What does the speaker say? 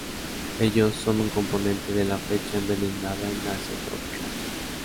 Ellos son un componente de la flecha envenenada en Asia tropical.